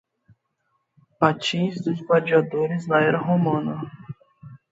Patins dos gladiadores na era romana